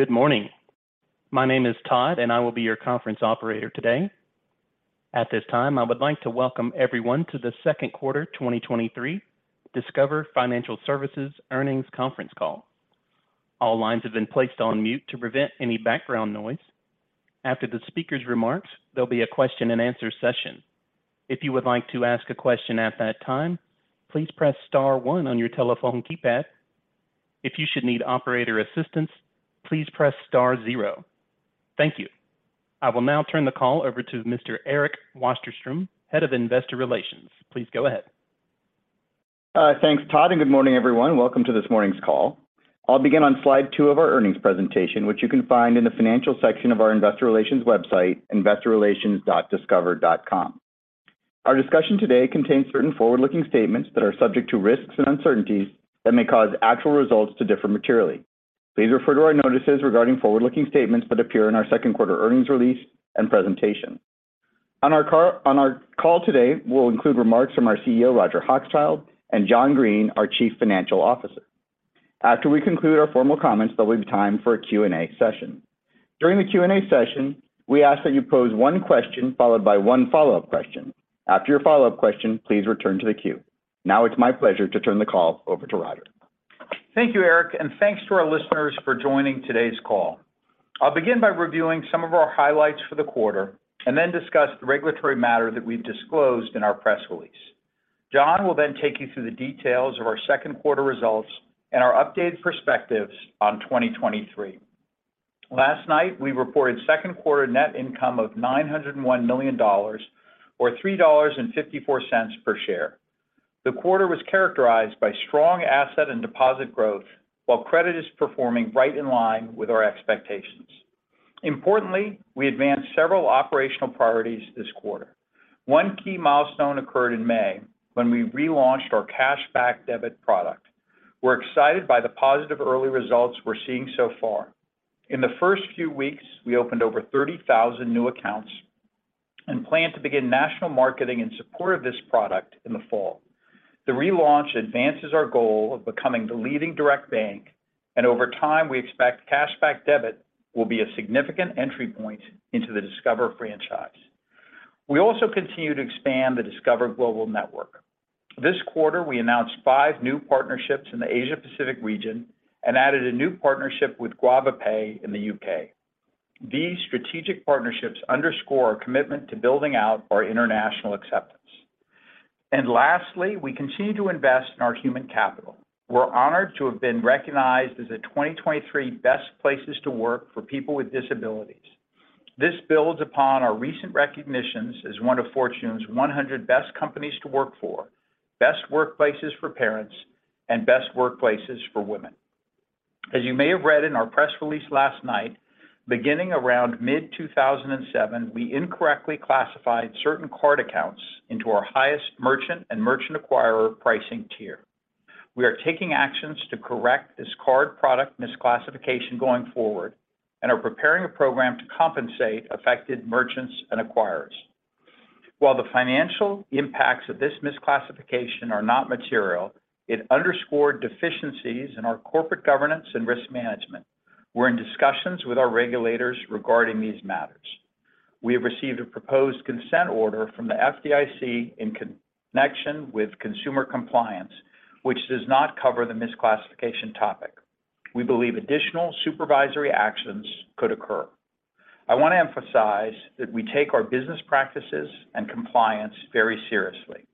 Good morning. My name is Todd, and I will be your conference operator today. At this time, I would like to welcome everyone to the Second Quarter 2023 Discover Financial Services Earnings Conference Call. All lines have been placed on mute to prevent any background noise. After the speaker's remarks, there'll be a question-and-answer session. If you would like to ask a question at that time, please press star one on your telephone keypad. If you should need operator assistance, please press star zero. Thank you. I will now turn the call over to Mr. Eric Wasserstrom, Head of Investor Relations. Please go ahead. Thanks, Todd, and good morning, everyone. Welcome to this morning's call. I'll begin on slide two of our earnings presentation, which you can find in the financial section of our investorrelations.discover.com. Our discussion today contains certain forward-looking statements that are subject to risks and uncertainties that may cause actual results to differ materially. Please refer to our notices regarding forward-looking statements that appear in our second quarter earnings release and presentation. On our call today, we'll include remarks from our CEO, Roger Hochschild, and John Greene, our Chief Financial Officer. After we conclude our formal comments, there'll be time for a Q&A session. During the Q&A session, we ask that you pose one question followed by one follow-up question. After your follow-up question, please return to the queue. Now it's my pleasure to turn the call over to Roger. Thank you, Eric, and thanks to our listeners for joining today's call. I'll begin by reviewing some of our highlights for the quarter and discuss the regulatory matter that we've disclosed in our press release. John will take you through the details of our second quarter results and our updated perspectives on 2023. Last night, we reported second quarter net income of $901 million or 3.54 per share. The quarter was characterized by strong asset and deposit growth, while credit is performing right in line with our expectations. Importantly, we advanced several operational priorities this quarter. One key milestone occurred in May when we relaunched our Cashback Debit product. We're excited by the positive early results we're seeing so far. In the first few weeks, we opened over 30,000 new accounts and plan to begin national marketing in support of this product in the fall. The relaunch advances our goal of becoming the leading direct bank, and over time, we expect Cashback Debit will be a significant entry point into the Discover franchise. We also continue to expand the Discover Global Network. This quarter, we announced five new partnerships in the Asia Pacific region and added a new partnership with Guavapay in the U.K. These strategic partnerships underscore our commitment to building out our international acceptance. Lastly, we continue to invest in our human capital. We're honored to have been recognized as a 2023 Best Places to Work for Disability Inclusion. This builds upon our recent recognitions as one of Fortune's 100 Best Companies to Work For, Best Workplaces for Parents, and Best Workplaces for Women. As you may have read in our press release last night, beginning around mid-2007, we incorrectly classified certain card accounts into our highest merchant and merchant acquirer pricing tier. We are taking actions to correct this card product misclassification going forward and are preparing a program to compensate affected merchants and acquirers. While the financial impacts of this misclassification are not material, it underscored deficiencies in our corporate governance and risk management. We're in discussions with our regulators regarding these matters. We have received a proposed consent order from the FDIC in connection with consumer compliance, which does not cover the misclassification topic. We believe additional supervisory actions could occur. I want to emphasize that we take our business practices and compliance very seriously.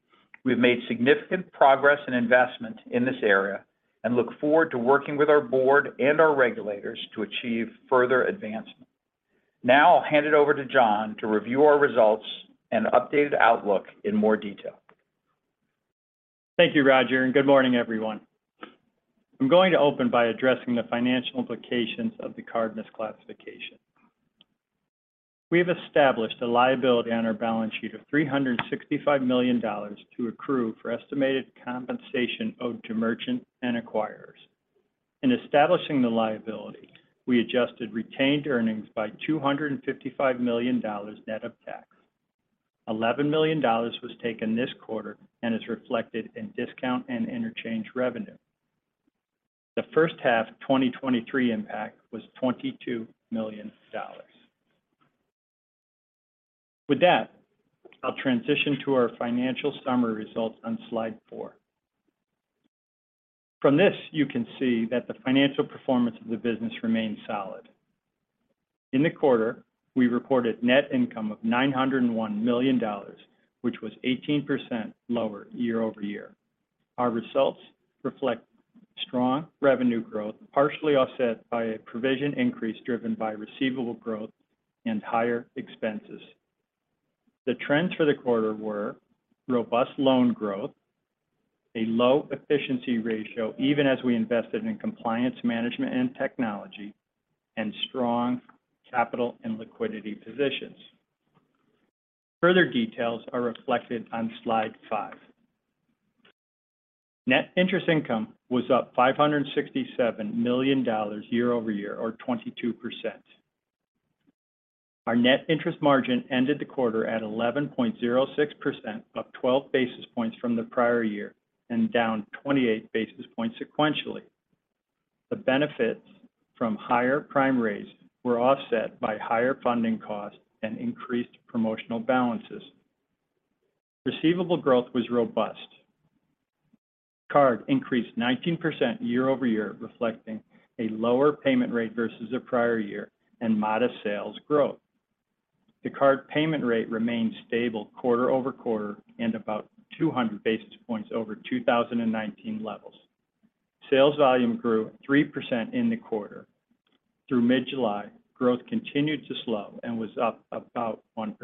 We've made significant progress and investment in this area and look forward to working with our board and our regulators to achieve further advancement. I'll hand it over to John to review our results and updated outlook in more detail. Thank you, Roger. Good morning, everyone. I'm going to open by addressing the financial implications of the card misclassification. We have established a liability on our balance sheet of $365 million to accrue for estimated compensation owed to merchant and acquirers. In establishing the liability, we adjusted retained earnings by $255 million, net of tax. $11 million was taken this quarter and is reflected in discount and interchange revenue. The first half 2023 impact was $22 million. With that, I'll transition to our financial summary results on slide four. From this, you can see that the financial performance of the business remains solid. In the quarter, we reported net income of $901 million, which was 18% lower year-over-year. Our results reflect strong revenue growth, partially offset by a provision increase driven by receivable growth and higher expenses. The trends for the quarter were: robust loan growth, a low efficiency ratio, even as we invested in compliance, management, and technology, and strong capital and liquidity positions. Further details are reflected on slide five. Net interest income was up $567 million year-over-year, or 22%. Our net interest margin ended the quarter at 11.06%, up 12 basis points from the prior year, and down 28 basis points sequentially. The benefits from higher prime rates were offset by higher funding costs and increased promotional balances. Receivable growth was robust. Card increased 19% year-over-year, reflecting a lower payment rate versus the prior year and modest sales growth. The card payment rate remained stable quarter-over-quarter and about 200 basis points over 2019 levels. Sales volume grew 3% in the quarter. Through mid-July, growth continued to slow and was up about 1%.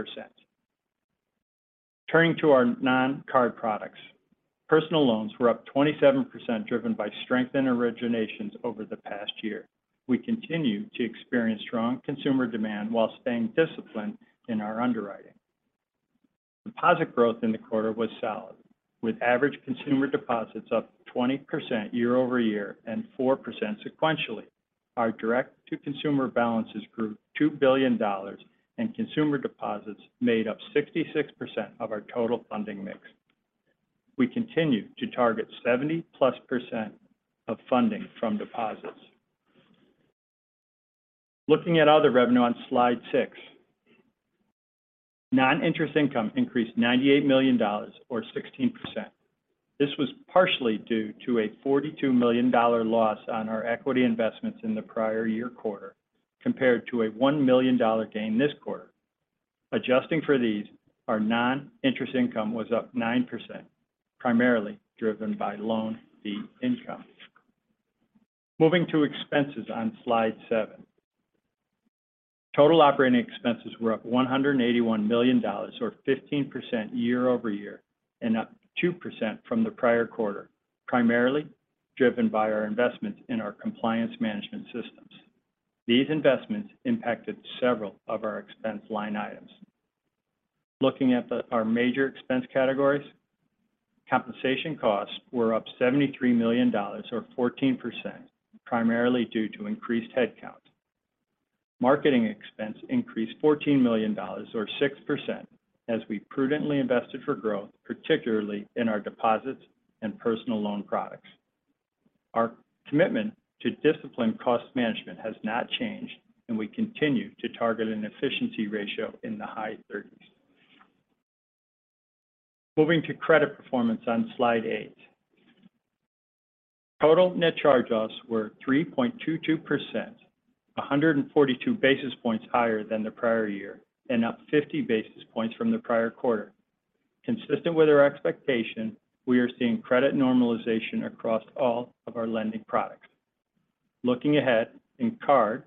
Turning to our non-card products. Personal loans were up 27%, driven by strength in originations over the past year. We continue to experience strong consumer demand while staying disciplined in our underwriting. Deposit growth in the quarter was solid, with average consumer deposits up 20% year-over-year and 4% sequentially. Our direct-to-consumer balances grew $2 billion, and consumer deposits made up 66% of our total funding mix. We continue to target 70%+ of funding from deposits. Looking at other revenue on Slide six. Non-interest income increased $98 million, or 16%. This was partially due to a $42 million loss on our equity investments in the prior-year quarter, compared to a $1 million gain this quarter. Adjusting for these, our non-interest income was up 9%, primarily driven by loan fee income. Moving to expenses on Slide seven. Total operating expenses were up $181 million, or 15% year-over-year, and up 2% from the prior quarter, primarily driven by our investments in our compliance management systems. These investments impacted several of our expense line items. Looking at our major expense categories, compensation costs were up $73 million or 14%, primarily due to increased headcount. Marketing expense increased $14 million, or 6%, as we prudently invested for growth, particularly in our deposits and personal loan products. Our commitment to disciplined cost management has not changed, and we continue to target an efficiency ratio in the high thirties. Moving to credit performance on Slide eight. Total net charge-offs were 3.22%, 142 basis points higher than the prior year, and up 50 basis points from the prior quarter. Consistent with our expectation, we are seeing credit normalization across all of our lending products. Looking ahead, in card,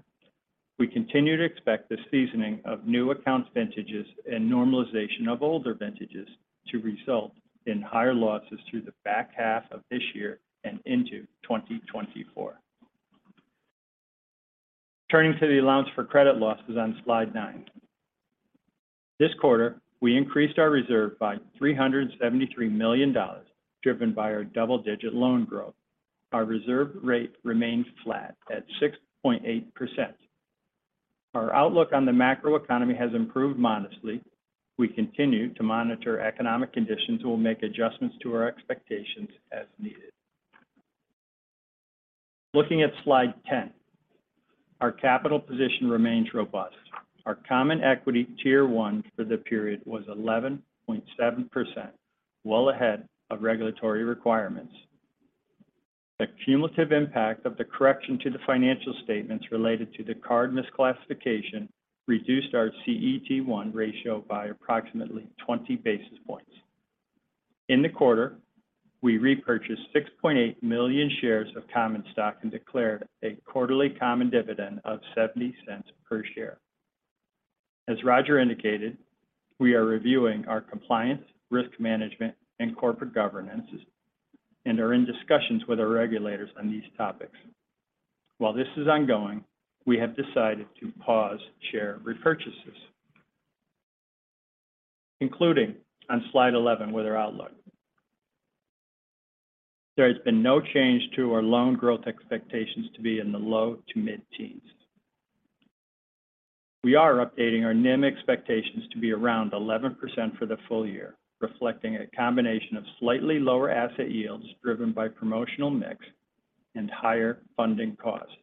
we continue to expect the seasoning of new account vintages and normalization of older vintages to result in higher losses through the back half of this year and into 2024. Turning to the allowance for credit losses on Slide nine. This quarter, we increased our reserve by $373 million, driven by our double-digit loan growth. Our reserve rate remains flat at 6.8%. Our outlook on the macroeconomy has improved modestly. We continue to monitor economic conditions and will make adjustments to our expectations as needed. Looking at Slide 10, our capital position remains robust. Our Common Equity Tier 1 for the period was 11.7%, well ahead of regulatory requirements. The cumulative impact of the correction to the financial statements related to the card misclassification reduced our CET1 ratio by approximately 20 basis points. In the quarter, we repurchased 6.8 million shares of common stock and declared a quarterly common dividend of $0.70 per share. As Roger indicated, we are reviewing our compliance, risk management, and corporate governance, and are in discussions with our regulators on these topics. While this is ongoing, we have decided to pause share repurchases. Concluding on Slide 11 with our outlook. There has been no change to our loan growth expectations to be in the low to mid-teens. We are updating our NIM expectations to be around 11% for the full year, reflecting a combination of slightly lower asset yields driven by promotional mix and higher funding costs.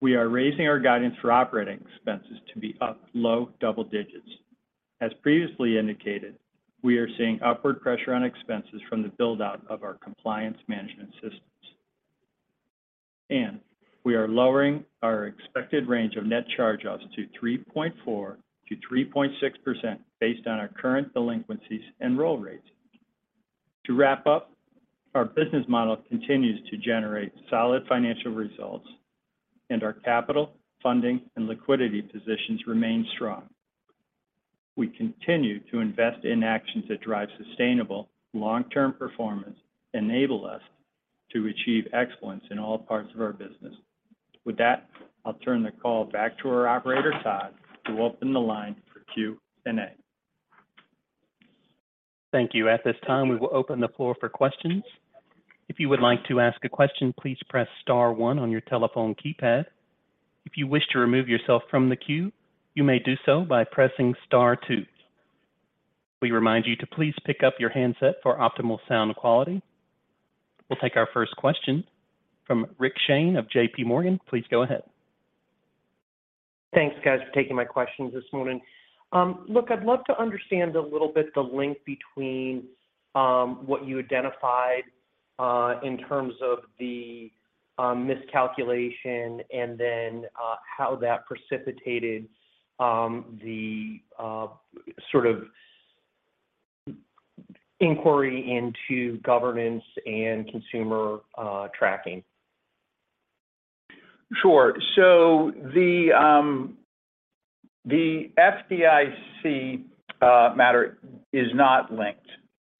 We are raising our guidance for operating expenses to be up low double digits. We are seeing upward pressure on expenses from the build-out of our compliance management systems. We are lowering our expected range of net charge-offs to 3.4%-3.6% based on our current delinquencies and roll rates. To wrap up, our business model continues to generate solid financial results, and our capital, funding, and liquidity positions remain strong. We continue to invest in actions that drive sustainable long-term performance, enable us to achieve excellence in all parts of our business. With that, I'll turn the call back to our operator, Todd, to open the line for Q&A. Thank you. At this time, we will open the floor for questions. If you would like to ask a question, please press star 1 on your telephone keypad. If you wish to remove yourself from the queue, you may do so by pressing star two. We remind you to please pick up your handset for optimal sound quality. We'll take our first question from Rick Shane of JPMorgan. Please go ahead.. Please go ahead. Thanks, guys, for taking my questions this morning. Look, I'd love to understand a little bit the link between what you identified in terms of the miscalculation and then how that precipitated the sort of inquiry into governance and consumer tracking? Sure. The FDIC matter is not linked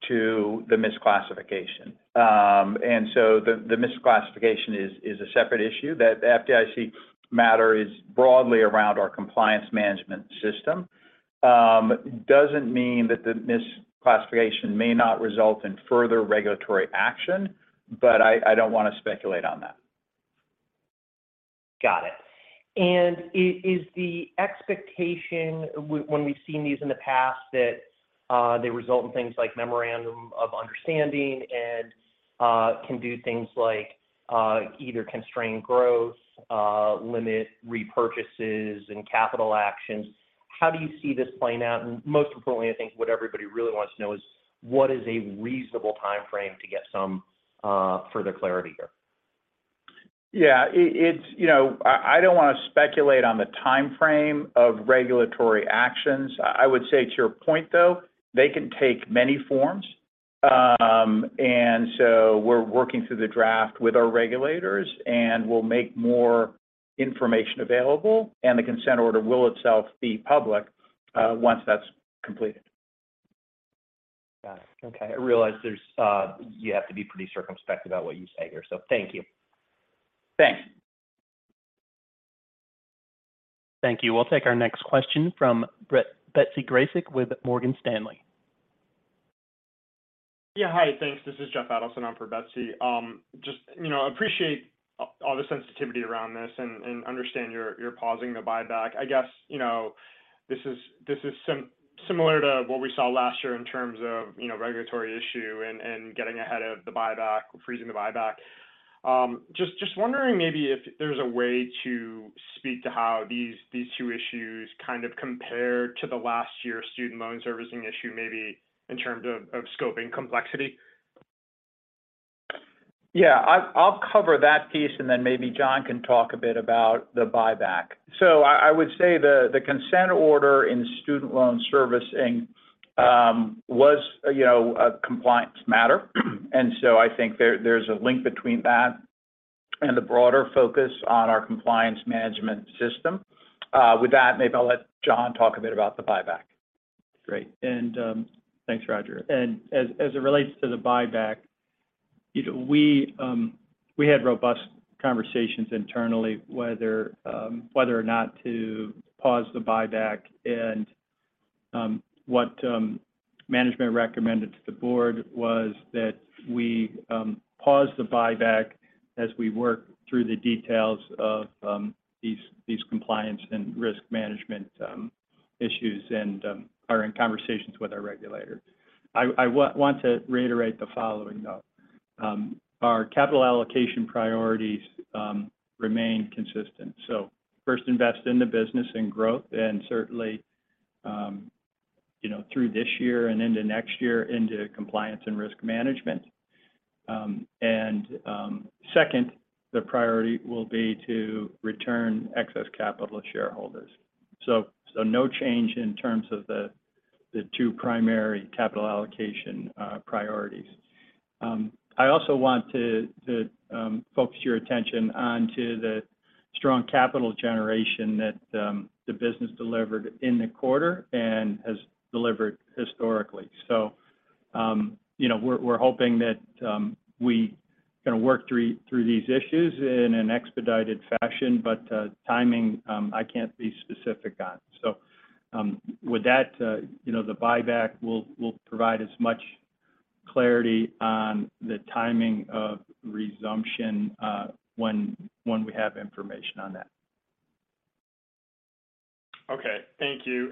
to the misclassification. The misclassification is a separate issue. That FDIC matter is broadly around our compliance management system. Doesn't mean that the misclassification may not result in further regulatory action, but I don't want to speculate on that. Got it. Is the expectation when we've seen these in the past, that they result in things like memorandum of understanding and can do things like either constrain growth, limit repurchases and capital actions? How do you see this playing out? Most importantly, I think what everybody really wants to know is, what is a reasonable timeframe to get some further clarity here? You know, I don't want to speculate on the timeframe of regulatory actions. I would say to your point, though, they can take many forms. We're working through the draft with our regulators, and we'll make more information available, and the consent order will itself be public, once that's completed. Got it. Okay. I realize there's you have to be pretty circumspect about what you say here, so thank you. Thanks. Thank you. We'll take our next question from Betsy Graseck with Morgan Stanley. Yeah. Hi, thanks. This is Jeff Adelson on for Betsy Just, you know, appreciate all the sensitivity around this and understand you're pausing the buyback. I guess, you know, this is similar to what we saw last year in terms of, you know, regulatory issue and getting ahead of the buyback, freezing the buyback. Just wondering maybe if there's a way to speak to how these two issues kind of compare to the last year's student loan servicing issue, maybe in terms of scope and complexity? I'll cover that piece, and then maybe John can talk a bit about the buyback. I would say the consent order in student loan servicing was, you know, a compliance matter. I think there's a link between that and the broader focus on our compliance management system. With that, maybe I'll let John talk a bit about the buyback. Great. Thanks, Roger. As it relates to the buyback, we had robust conversations internally, whether or not to pause the buyback. What management recommended to the board was that we pause the buyback as we work through the details of these compliance and risk management issues and are in conversations with our regulator. I want to reiterate the following, though. Our capital allocation priorities remain consistent. First, invest in the business and growth, and certainly, through this year and into next year, into compliance and risk management. Second, the priority will be to return excess capital to shareholders. No change in terms of the two primary capital allocation priorities. I also want to focus your attention on the strong capital generation that the business delivered in the quarter and has delivered historically. You know, we're hoping that we kind of work through these issues in an expedited fashion, but timing, I can't be specific on. With that, you know, the buyback, we'll provide as much clarity on the timing of resumption, when we have information on that. Okay, thank you.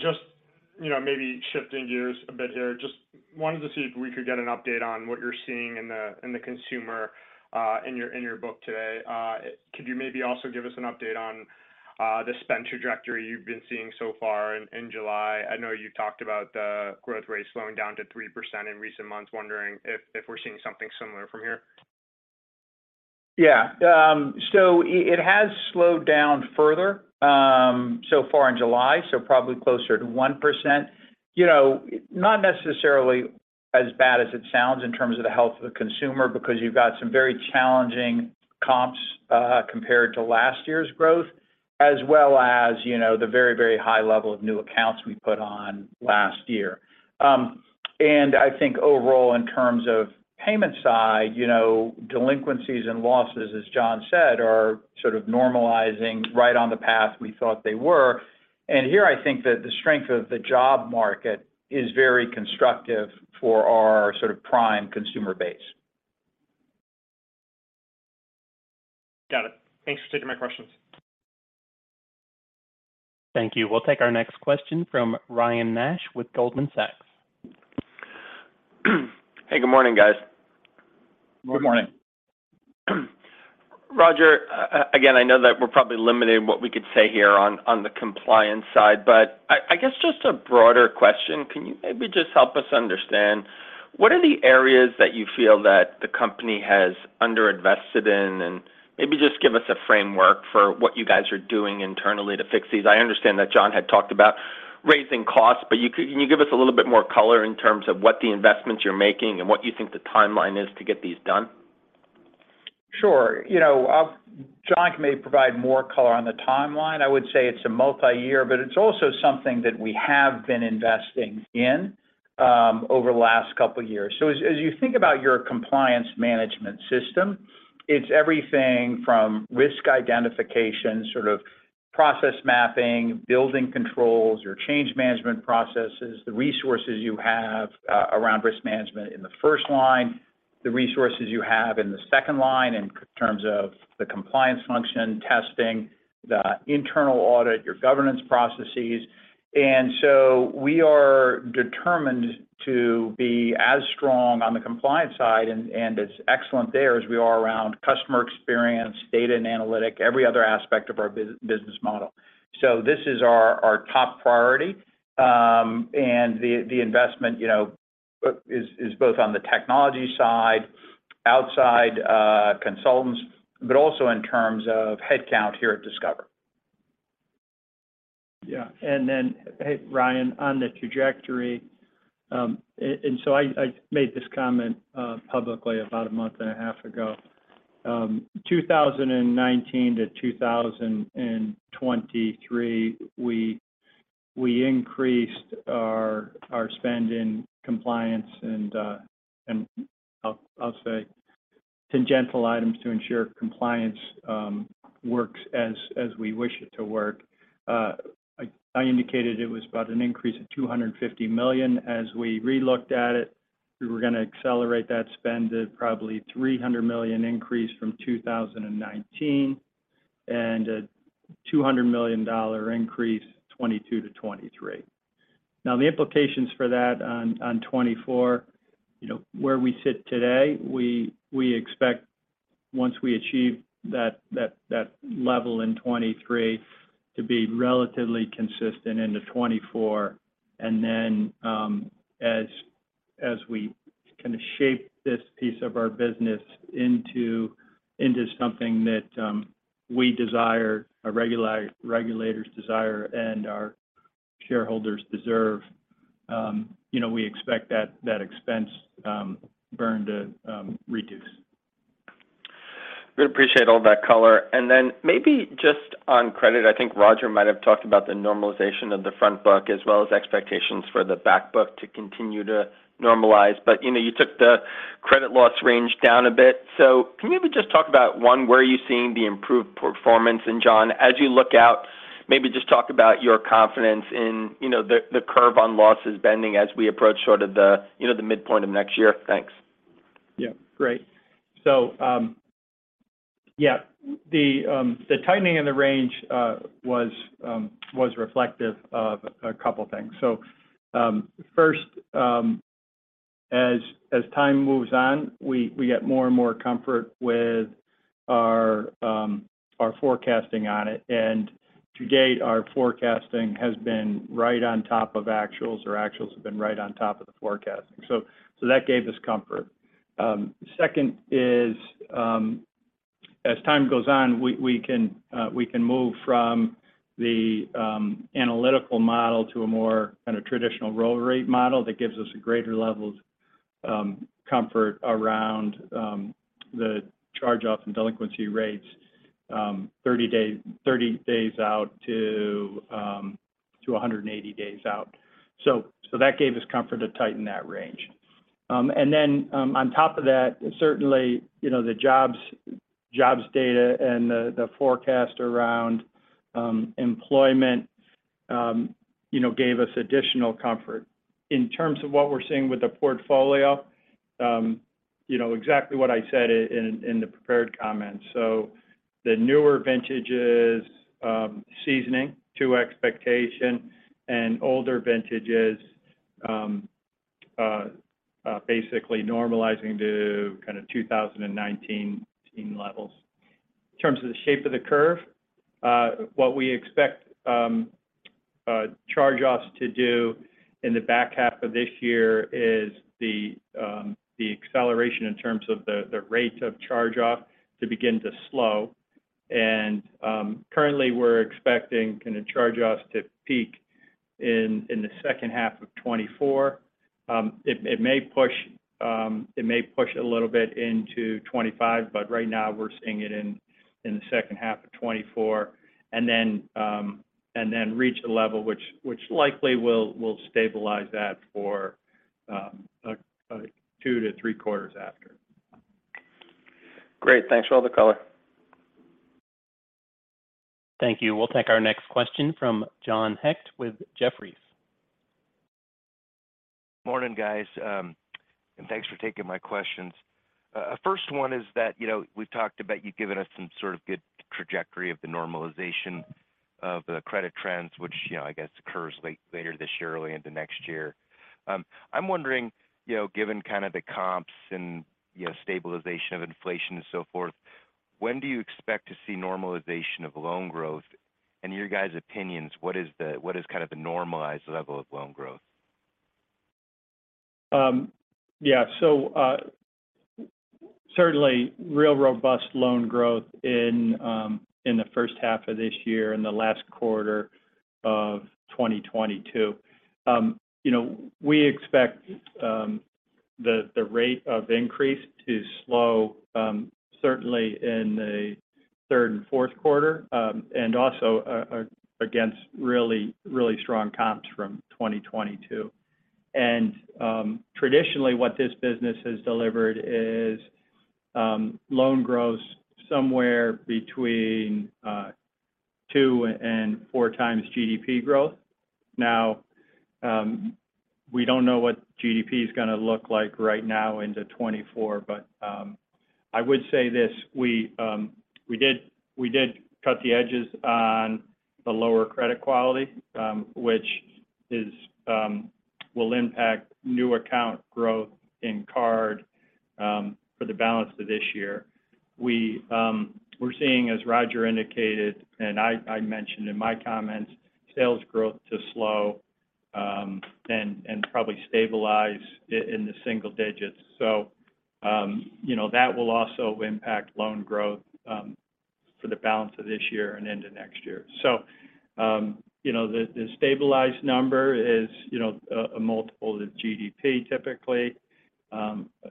Just, you know, maybe shifting gears a bit here, just wanted to see if we could get an update on what you're seeing in the consumer, in your book today. Could you maybe also give us an update on the spend trajectory you've been seeing so far in July? I know you talked about the growth rate slowing down to 3% in recent months. Wondering if we're seeing something similar from here? Yeah. It has slowed down further so far in July, so probably closer to 1%. You know, not necessarily as bad as it sounds in terms of the health of the consumer, because you've got some very challenging comps compared to last year's growth, as well as, you know, the very, very high level of new accounts we put on last year. I think overall, in terms of payment side, you know, delinquencies and losses, as John said, are sort of normalizing right on the path we thought they were. Here, I think that the strength of the job market is very constructive for our sort of prime consumer base. Got it. Thanks for taking my questions. Thank you. We'll take our next question from Ryan Nash with Goldman Sachs. Hey, good morning, guys. Good morning. Roger, again, I know that we're probably limited in what we could say here on the compliance side, but I guess just a broader question, can you maybe just help us understand, what are the areas that you feel that the company has underinvested in? Maybe just give us a framework for what you guys are doing internally to fix these. I understand that John had talked about raising costs, can you give us a little bit more color in terms of what the investments you're making and what you think the timeline is to get these done? Sure. you know, John may provide more color on the timeline. I would say it's a multi-year, but it's also something that we have been investing in over the last couple of years. As you think about your compliance management system, it's everything from risk identification, sort of process mapping, building controls, your change management processes, the resources you have around risk management in the first line, the resources you have in the second line, in terms of the compliance function, testing, the internal audit, your governance processes. We are determined to be as strong on the compliance side and as excellent there as we are around customer experience, data and analytic, every other aspect of our business model. This is our top priority. The investment, you know, is both on the technology side, outside, consultants, but also in terms of headcount here at Discover. John? Yeah. Hey, Ryan, on the trajectory, I made this comment publicly about a month and a half ago. 2019 to 2023, we increased our spend in compliance and I'll say tangential items to ensure compliance works as we wish it to work. I indicated it was about an increase of $250 million. As we relooked at it, we were gonna accelerate that spend to probably $300 million increase from 2019, a $200 million increase, 2022 to 2023. The implications for that on 2024, you know, where we sit today, we expect once we achieve that level in 2023, to be relatively consistent into 2024. As we kind of shape this piece of our business into something that we desire, our regulators desire, and our shareholders deserve, you know, we expect that expense burn to reduce. We appreciate all that color. Then maybe just on credit, I think Roger might have talked about the normalization of the front book, as well as expectations for the back book to continue to normalize. You know, you took the credit loss range down a bit. Can you maybe just talk about, one, where are you seeing the improved performance? John, as you look out, maybe just talk about your confidence in, you know, the curve on losses bending as we approach sort of the, you know, the midpoint of next year. Thanks. Yeah. Great. Yeah, the tightening in the range was reflective of a couple things. First, as time moves on, we get more and more comfort with our forecasting on it. And to date, our forecasting has been right on top of actuals, or actuals have been right on top of the forecasting. That gave us comfort. Second is, as time goes on, we can move from the analytical model to a more kind of traditional roll rate model that gives us a greater level of comfort around the charge-off and delinquency rates, 30 days out to 180 days out. That gave us comfort to tighten that range. On top of that, certainly, you know, the jobs data and the forecast around employment, you know, gave us additional comfort. In terms of what we're seeing with the portfolio, you know exactly what I said in the prepared comments. The newer vintages seasoning to expectation and older vintages are basically normalizing to kind of 2019 team levels. In terms of the shape of the curve, what we expect charge-offs to do in the back half of this year is the acceleration in terms of the rate of charge-off to begin to slow. Currently, we're expecting kind of charge-offs to peak in the second half of 2024. It may push a little bit into 2025, but right now we're seeing it in the second half of 2024. Reach a level which likely will stabilize that for, two to three quarters after. Great. Thanks for all the color. Thank you. We'll take our next question from John Hecht with Jefferies. Morning, guys. Thanks for taking my questions. First one is that, you know, we've talked about you've given us some sort of good trajectory of the normalization of the credit trends, which, you know, I guess occurs later this year, early into next year. I'm wondering, you know, given kind of the comps and, you know, stabilization of inflation and so forth, when do you expect to see normalization of loan growth? In your guys' opinions, what is kind of the normalized level of loan growth? Yeah. Certainly, real robust loan growth in the first half of this year, in the last quarter of 2022. You know, we expect the rate of increase to slow, certainly in the third and fourth quarter, also against really, really strong comps from 2022. Traditionally, what this business has delivered is loan growth somewhere between 2 and 4 times GDP growth. We don't know what GDP is gonna look like right now into 2024, I would say this: we did cut the edges on the lower credit quality, which will impact new account growth in card for the balance of this year. We're seeing, as Roger indicated, and I mentioned in my comments, sales growth to slow and probably stabilize in the single digits. you know, that will also impact loan growth for the balance of this year and into next year. you know, the stabilized number is, you know, a multiple of GDP, typically,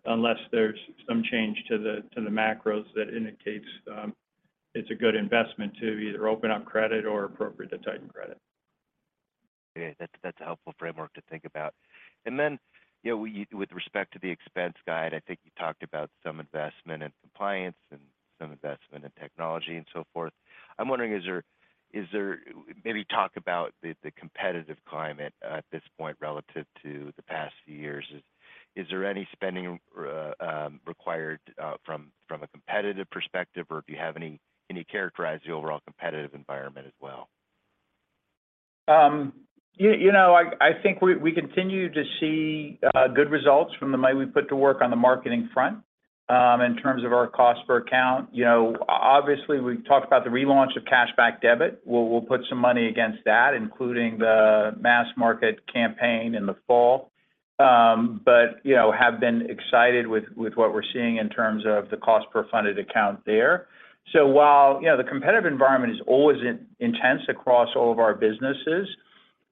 unless there's some change to the macros that indicates it's a good investment to either open up credit or appropriate to tighten credit. Okay. That's a helpful framework to think about. You know, with respect to the expense guide, I think you talked about some investment in compliance and some investment in technology, and so forth. I'm wondering, is there maybe talk about the competitive climate at this point relative to the past few years? Is there any spending required from a competitive perspective, or if you have any, can you characterize the overall competitive environment as well? You know, I think we continue to see good results from the money we put to work on the marketing front. In terms of our cost per account, you know, obviously, we've talked about the relaunch of Cashback Debit. We'll put some money against that, including the mass market campaign in the fall. You know, have been excited with what we're seeing in terms of the cost per funded account there. While, you know, the competitive environment is always intense across all of our businesses,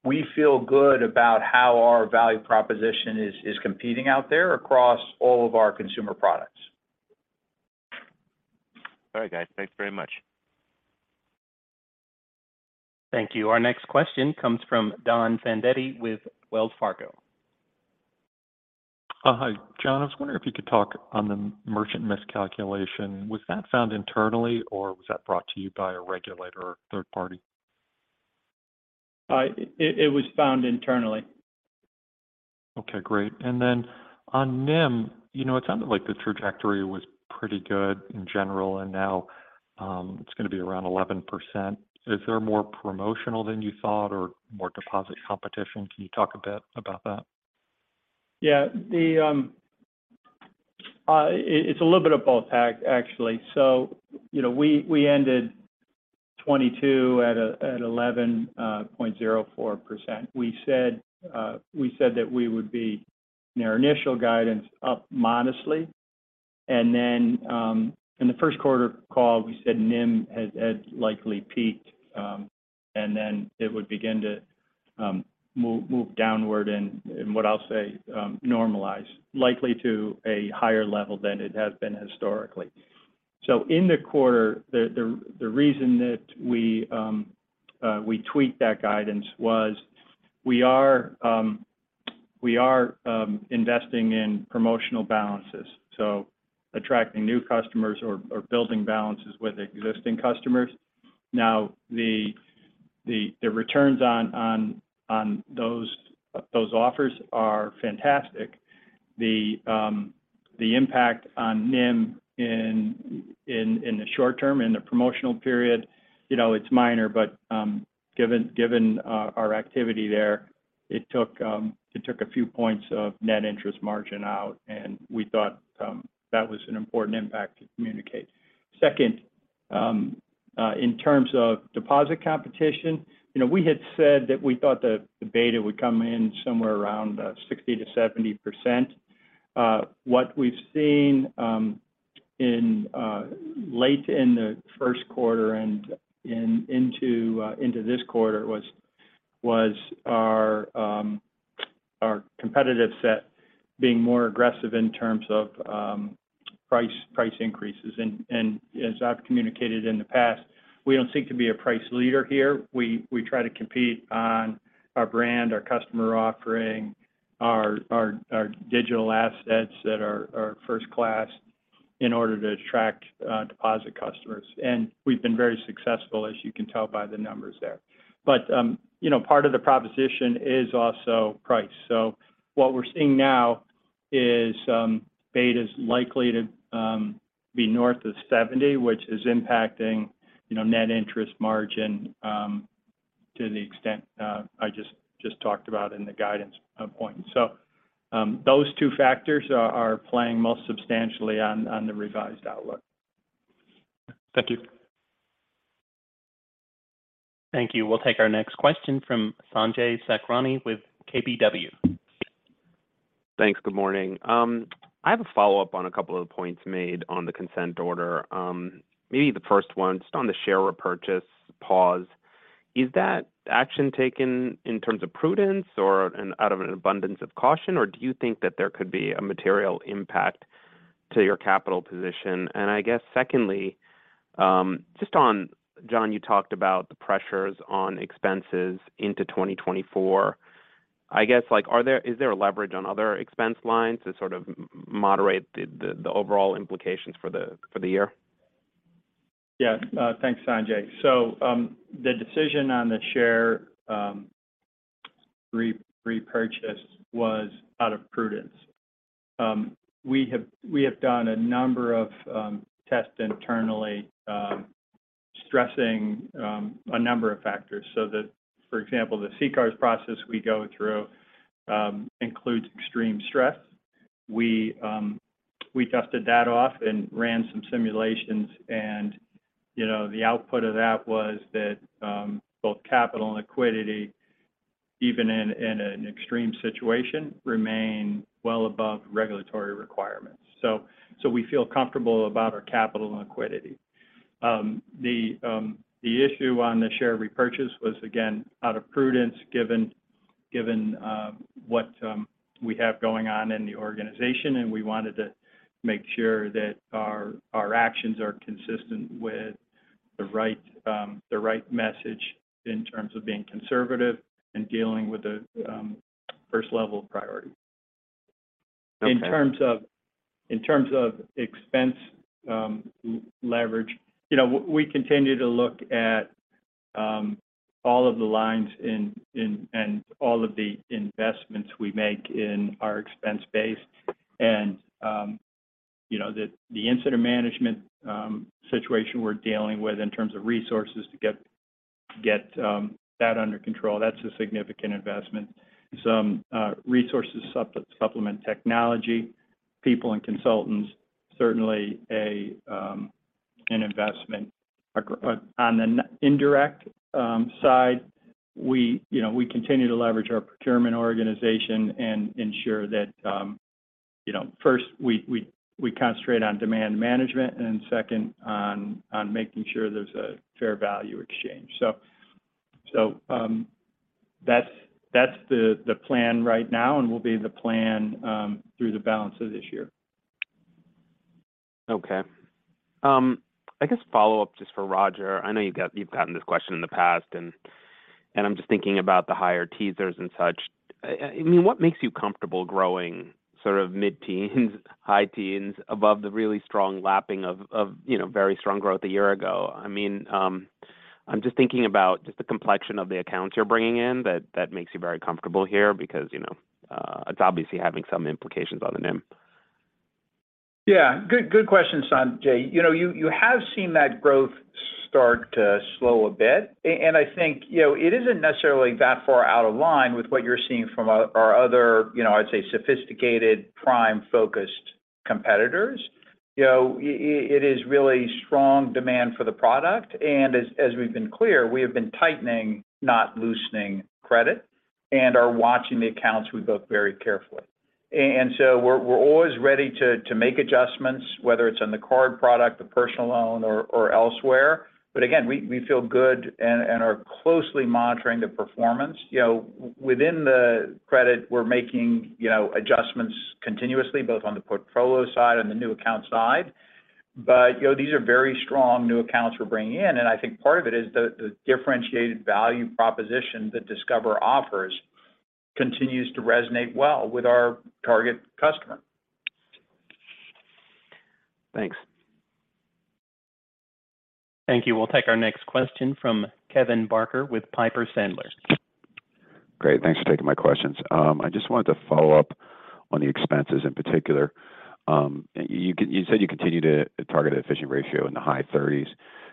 we feel good about how our value proposition is competing out there across all of our consumer products. All right, guys. Thanks very much. Thank you. Our next question comes from Don Fandetti with Wells Fargo. Hi, John. I was wondering if you could talk on the merchant miscalculation. Was that found internally, or was that brought to you by a regulator or third party? It was found internally. Okay, great. On NIM, you know, it sounded like the trajectory was pretty good in general, and now, it's gonna be around 11%. Is there more promotional than you thought or more deposit competition? Can you talk a bit about that? Yeah. It's a little bit of both, actually. You know, we ended 2022 at 11.04%. We said that we would be, in our initial guidance, up modestly. In the first quarter call, we said NIM had likely peaked, and then it would begin to move downward and what I'll say, normalize, likely to a higher level than it has been historically. In the quarter, the reason that we tweaked that guidance was we are investing in promotional balances, so attracting new customers or building balances with existing customers. Now, the returns on those offers are fantastic. The impact on NIM in the short term, in the promotional period, you know, it's minor, but given our activity there, it took a few points of net interest margin out, we thought that was an important impact to communicate. Second, in terms of deposit competition, you know, we had said that we thought the beta would come in somewhere around 60%-70%. What we've seen in late in the first quarter and into this quarter was our competitive set being more aggressive in terms of price increases. As I've communicated in the past, we don't seek to be a price leader here. We try to compete on our brand, our customer offering, our digital assets that are first class. In order to attract deposit customers. We've been very successful, as you can tell by the numbers there. You know, part of the proposition is also price. What we're seeing now is beta's likely to be north of 70, which is impacting, you know, net interest margin to the extent I just talked about in the guidance point. Those two factors are playing most substantially on the revised outlook. Thank you. Thank you. We'll take our next question from Sanjay Sakhrani with KBW. Thanks. Good morning. I have a follow-up on a couple of the points made on the consent order. Maybe the first one, just on the share repurchase pause, is that action taken in terms of prudence or out of an abundance of caution? Do you think that there could be a material impact to your capital position? I guess secondly, just on, John, you talked about the pressures on expenses into 2024. I guess, like, is there a leverage on other expense lines to sort of moderate the overall implications for the year? Yeah. Thanks, Sanjay. The decision on the share repurchase was out of prudence. We have done a number of tests internally, stressing a number of factors so that, for example, the CCAR process we go through, includes extreme stress. We dusted that off and ran some simulations, and, you know, the output of that was that both capital and liquidity, even in an extreme situation, remain well above regulatory requirements. We feel comfortable about our capital and liquidity. The issue on the share repurchase was, again, out of prudence, given what we have going on in the organization, and we wanted to make sure that our actions are consistent with the right message in terms of being conservative and dealing with the first level of priority. Okay. In terms of, in terms of expense, leverage, we continue to look at all of the lines and all of the investments we make in our expense base. The incident management situation we're dealing with in terms of resources to get that under control, that's a significant investment. Some resources supplement technology, people and consultants, certainly an investment. On the indirect side, we continue to leverage our procurement organization and ensure that first, we concentrate on demand management, and second, making sure there's a fair value exchange. That's the plan right now and will be the plan through the balance of this year. Okay. I guess follow-up just for Roger. I know you've gotten this question in the past, and I'm just thinking about the higher teasers and such. I mean, what makes you comfortable growing sort of mid-teens, high teens above the really strong lapping of, you know, very strong growth a year ago? I mean, I'm just thinking about just the complexion of the accounts you're bringing in, that makes you very comfortable here because, you know, it's obviously having some implications on the NIM. Yeah, good question, Sanjay. You know, you have seen that growth start to slow a bit. I think, you know, it isn't necessarily that far out of line with what you're seeing from our other, you know, I'd say, sophisticated, prime-focused competitors. You know, it is really strong demand for the product, and as we've been clear, we have been tightening, not loosening credit, and are watching the accounts we book very carefully. So we're always ready to make adjustments, whether it's on the card product, the personal loan, or elsewhere. Again, we feel good and are closely monitoring the performance. You know, within the credit, we're making, you know, adjustments continuously, both on the portfolio side and the new account side. You know, these are very strong new accounts we're bringing in, and I think part of it is the differentiated value proposition that Discover offers continues to resonate well with our target customer. Thanks. Thank you. We'll take our next question from Kevin Barker with Piper Sandler. Great, thanks for taking my questions. I just wanted to follow up on the expenses in particular. You said you continue to target an efficiency ratio in the high thirties.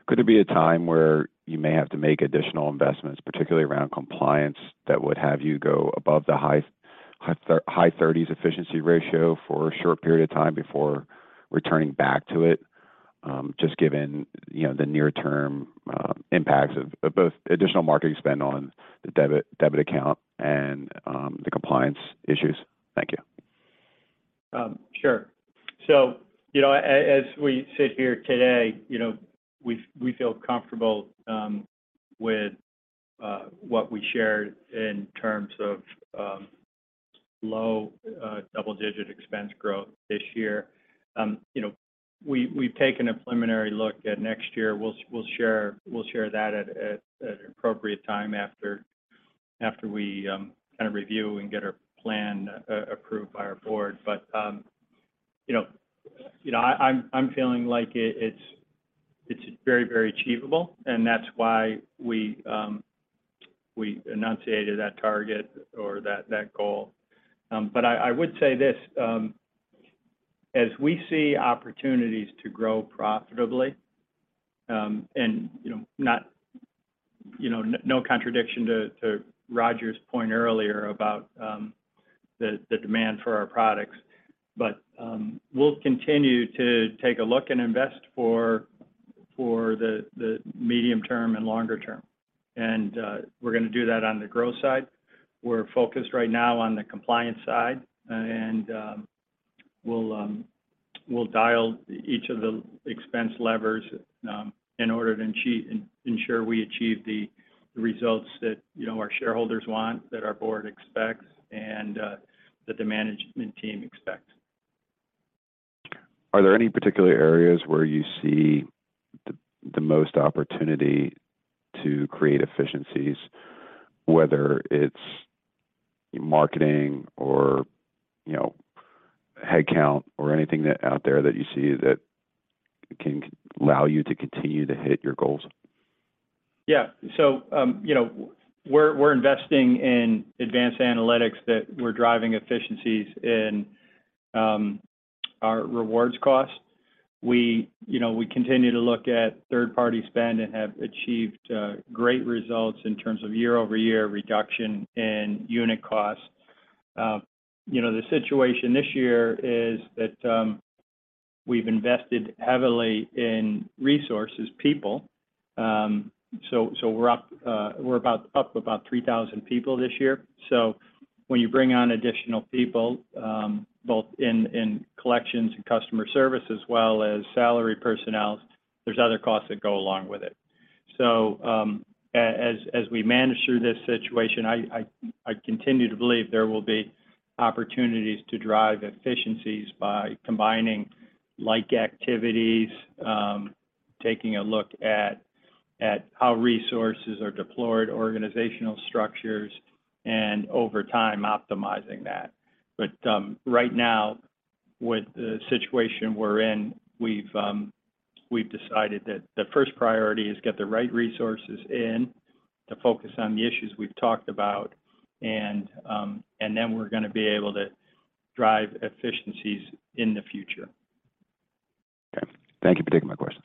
Could there be a time where you may have to make additional investments, particularly around compliance, that would have you go above the high thirties efficiency ratio for a short period of time before returning back to it? Just given, you know, the near-term impacts of both additional marketing spend on the debit account and the compliance issues? Thank you. Sure. You know, as we sit here today, you know, we feel comfortable with what we shared in terms of low double-digit expense growth this year. You know, we've taken a preliminary look at next year. We'll share that at an appropriate time after we kind of review and get our plan approved by our board. You know, you know, I'm feeling like it's very achievable, and that's why we enunciated that target or that goal. I would say this: as we see opportunities to grow profitably, and, you know, not, you know, no contradiction to Roger's point earlier about the demand for our products. We'll continue to take a look and invest for the medium term and longer term. We're gonna do that on the growth side. We're focused right now on the compliance side, and we'll dial each of the expense levers, in order to achieve, ensure we achieve the results that, you know, our shareholders want, that our board expects, and that the management team expects. Are there any particular areas where you see the most opportunity to create efficiencies, whether it's marketing or, you know, head count or anything that out there that you see that can allow you to continue to hit your goals? Yeah. You know, we're investing in advanced analytics that we're driving efficiencies in our rewards cost. We, you know, we continue to look at third-party spend and have achieved great results in terms of year-over-year reduction in unit costs. You know, the situation this year is that we've invested heavily in resources, people. We're up, we're about up about 3,000 people this year. When you bring on additional people, both in collections and customer service, as well as salary personnel, there's other costs that go along with it. As we manage through this situation, I continue to believe there will be opportunities to drive efficiencies by combining like activities, taking a look at how resources are deployed, organizational structures, and over time, optimizing that. Right now, with the situation we're in, we've decided that the first priority is get the right resources in to focus on the issues we've talked about, and then we're gonna be able to drive efficiencies in the future. Okay. Thank you for taking my questions.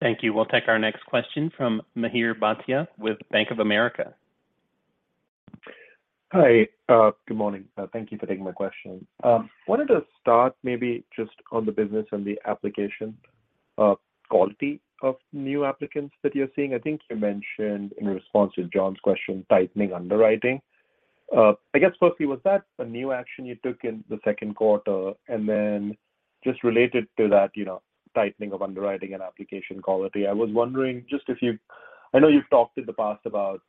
Thank you. We'll take our next question from Mihir Bhatia with Bank of America. Hi. Good morning. Thank you for taking my question. Wanted to start maybe just on the business and the application of quality of new applicants that you're seeing. I think you mentioned in response to John's question, tightening underwriting. I guess, firstly, was that a new action you took in the second quarter? Then just related to that, you know, tightening of underwriting and application quality, I was wondering, just if you I know you've talked in the past about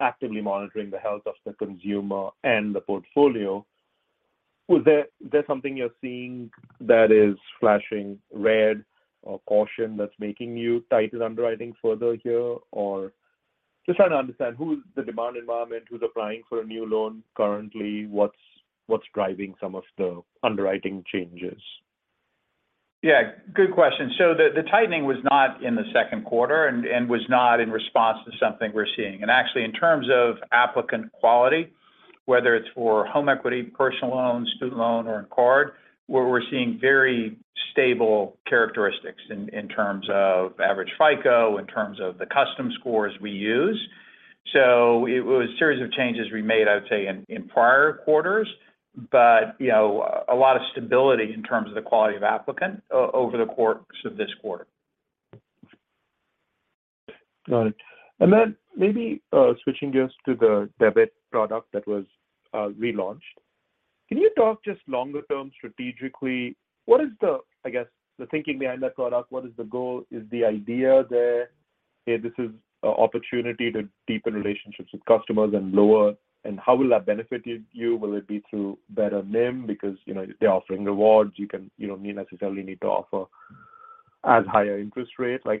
actively monitoring the health of the consumer and the portfolio. Was there something you're seeing that is flashing red or caution that's making you tighten underwriting further here, or just trying to understand who's the demand environment, who's applying for a new loan currently? What's driving some of the underwriting changes? Yeah, good question. The tightening was not in the second quarter and was not in response to something we're seeing. Actually, in terms of applicant quality, whether it's for home equity, personal loans, student loan, or a card, we're seeing very stable characteristics in terms of average FICO, in terms of the custom scores we use. It was a series of changes we made, I would say, in prior quarters, but, you know, a lot of stability in terms of the quality of applicant over the course of this quarter. Got it. Maybe, switching gears to the debit product that was relaunched. Can you talk just longer term strategically, what is the, I guess, the thinking behind that product? What is the goal? Is the idea there, hey, this is an opportunity to deepen relationships with customers and lower... How will that benefit you? Will it be through better NIM? Because, you know, they're offering rewards. You can, you know, you necessarily need to offer as higher interest rates. Like,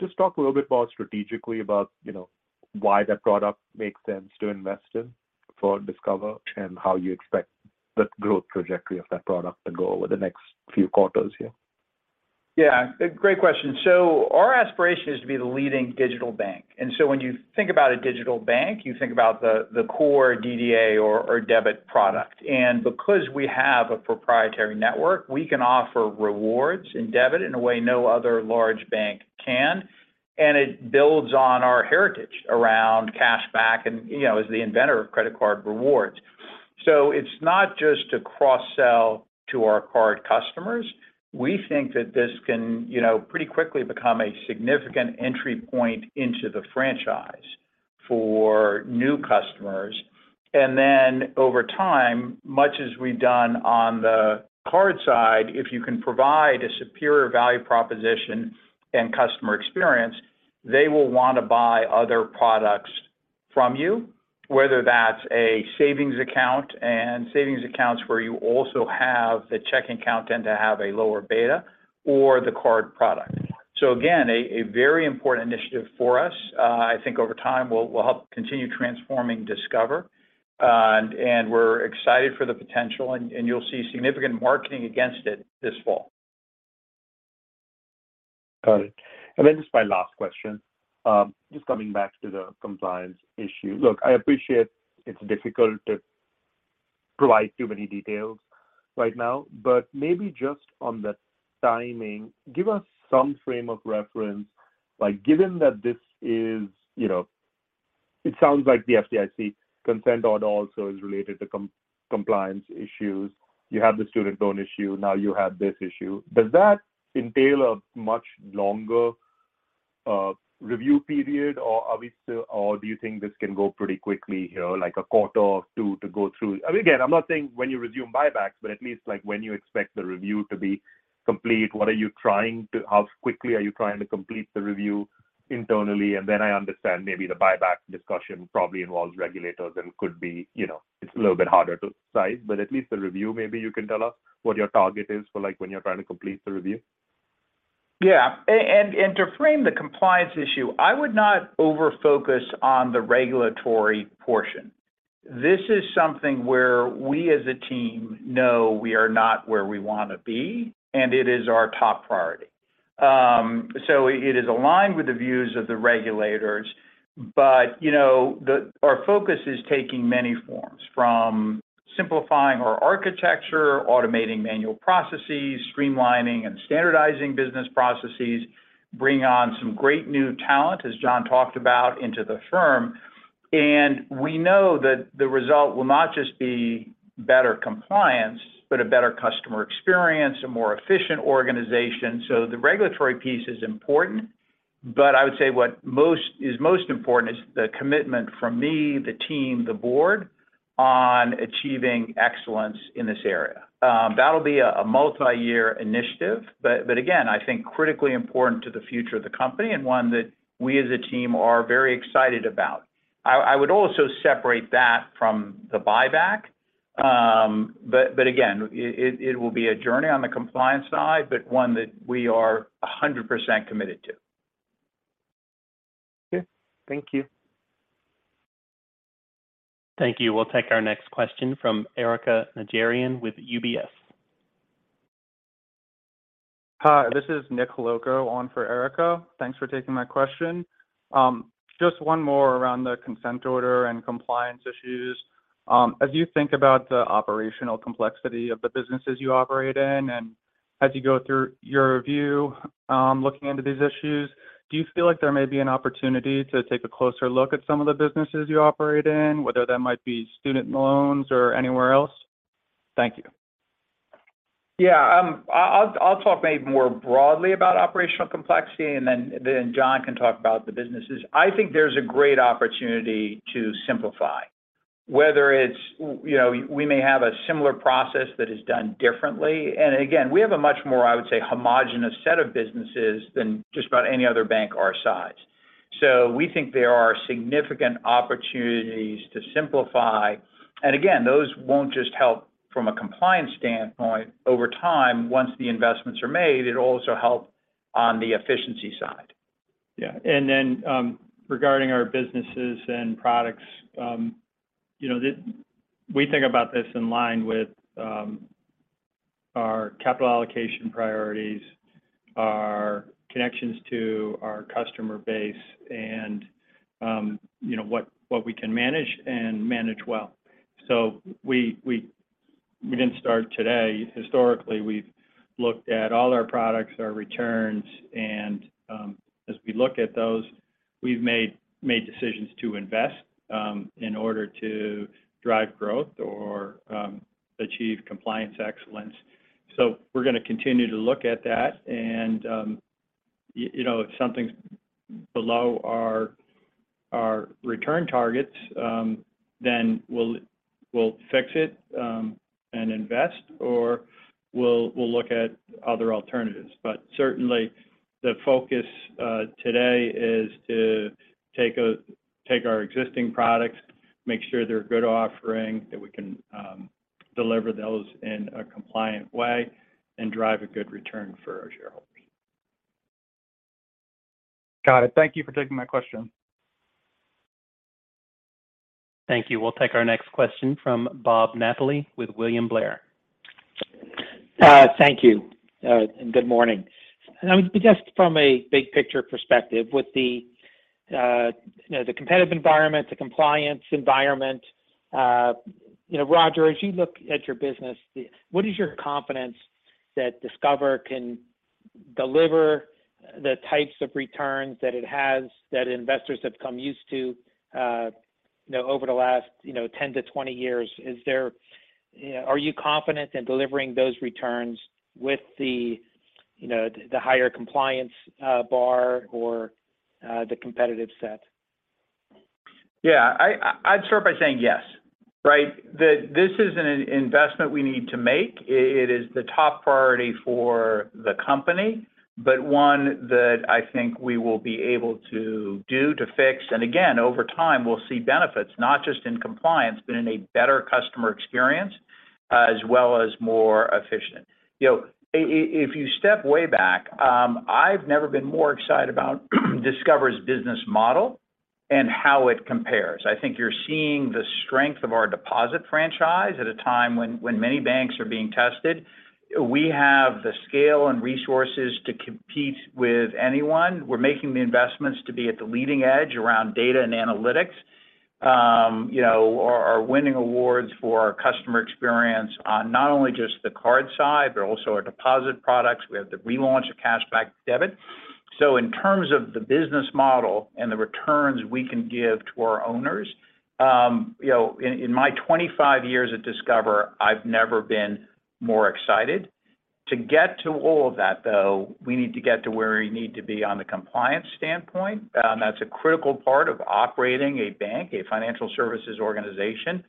just talk a little bit more strategically about, you know, why that product makes sense to invest in for Discover, and how you expect the growth trajectory of that product to go over the next few quarters here? Great question. Our aspiration is to be the leading digital bank. When you think about a digital bank, you think about the core DDA or debit product. Because we have a proprietary network, we can offer rewards and debit in a way no other large bank can, and it builds on our heritage around cash back and, you know, as the inventor of credit card rewards. It's not just to cross-sell to our card customers. We think that this can, you know, pretty quickly become a significant entry point into the franchise for new customers. Over time, much as we've done on the card side, if you can provide a superior value proposition and customer experience, they will want to buy other products from you, whether that's a savings account, and savings accounts where you also have the checking account tend to have a lower beta or the card product. Again, a very important initiative for us. I think over time, will help continue transforming Discover. We're excited for the potential, and you'll see significant marketing against it this fall. Got it. Just my last question, just coming back to the compliance issue. Look, I appreciate it's difficult to provide too many details right now, but maybe just on the timing, give us some frame of reference, like, given that this is. It sounds like the FDIC consent order also is related to compliance issues. You have the student loan issue, now you have this issue. Does that entail a much longer review period, or do you think this can go pretty quickly here, like a quarter or two to go through? Again, I'm not saying when you resume buybacks, but at least like when you expect the review to be complete, how quickly are you trying to complete the review internally? I understand maybe the buyback discussion probably involves regulators and could be, you know, it's a little bit harder to decide, but at least the review, maybe you can tell us what your target is for, like, when you're trying to complete the review? To frame the compliance issue, I would not over-focus on the regulatory portion. This is something where we as a team know we are not where we want to be, and it is our top priority. It is aligned with the views of the regulators, but, you know, our focus is taking many forms, from simplifying our architecture, automating manual processes, streamlining and standardizing business processes, bringing on some great new talent, as John talked about, into the firm. We know that the result will not just be better compliance, but a better customer experience, a more efficient organization. The regulatory piece is important, but I would say what is most important is the commitment from me, the team, the board on achieving excellence in this area. That'll be a multi-year initiative, but again, I think critically important to the future of the company and one that we as a team are very excited about. I would also separate that from the buyback. Again, it will be a journey on the compliance side, but one that we are 100% committed to. Okay. Thank you. Thank you. We'll take our next question from Erika Najarian with UBS. Hi, this is Nick Holowko on for Erika. Thanks for taking my question. Just one more around the consent order and compliance issues. As you think about the operational complexity of the businesses you operate in, and as you go through your review, looking into these issues, do you feel like there may be an opportunity to take a closer look at some of the businesses you operate in, whether that might be student loans or anywhere else? Thank you. Yeah, I'll talk maybe more broadly about operational complexity, and then John can talk about the businesses. I think there's a great opportunity to simplify. Whether it's, you know, we may have a similar process that is done differently. Again, we have a much more, I would say, homogenous set of businesses than just about any other bank our size. We think there are significant opportunities to simplify. Again, those won't just help from a compliance standpoint over time. Once the investments are made, it'll also help on the efficiency side. Yeah. Then, regarding our businesses and products, you know, we think about this in line with our capital allocation priorities, our connections to our customer base, and, you know, what we can manage and manage well. We didn't start today. Historically, we've looked at all our products, our returns, and, as we look at those, we've made decisions to invest in order to drive growth or achieve compliance excellence. We're going to continue to look at that, and, you know, if something's below our return targets, then we'll fix it and invest, or we'll look at other alternatives. Certainly, the focus, today is to take our existing products, make sure they're a good offering, that we can deliver those in a compliant way and drive a good return for our shareholders. Got it. Thank you for taking my question. Thank you. We'll take our next question from Bob Napoli with William Blair. Thank you, and good morning. Just from a big picture perspective with the, you know, the competitive environment, the compliance environment, you know, Roger, as you look at your business, what is your confidence that Discover can deliver the types of returns that it has, that investors have come used to, you know, over the last, you know, 10 to 20 years? Are you confident in delivering those returns with the, you know, the higher compliance bar or the competitive set? Yeah, I'd start by saying yes. Right, that this is an investment we need to make. It is the top priority for the company, but one that I think we will be able to do, to fix. Again, over time, we'll see benefits, not just in compliance, but in a better customer experience, as well as more efficient. You know, if you step way back, I've never been more excited about Discover's business model and how it compares. I think you're seeing the strength of our deposit franchise at a time when many banks are being tested. We have the scale and resources to compete with anyone. We're making the investments to be at the leading edge around data and analytics. You know, are winning awards for our customer experience on not only just the card side, but also our deposit products. We have the relaunch of Cashback Debit. In terms of the business model and the returns we can give to our owners, you know, in my 25 years at Discover, I've never been more excited. To get to all of that, though, we need to get to where we need to be on the compliance standpoint. That's a critical part of operating a bank, a financial services organization.